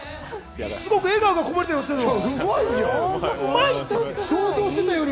笑顔がこぼれてますけど。